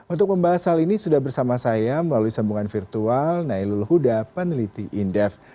untuk membahas hal ini sudah bersama saya melalui sambungan virtual nailul huda peneliti indef